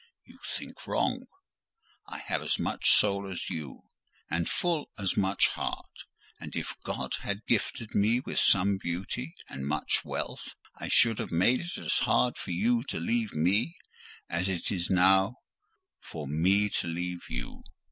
You think wrong!—I have as much soul as you,—and full as much heart! And if God had gifted me with some beauty and much wealth, I should have made it as hard for you to leave me, as it is now for me to leave you.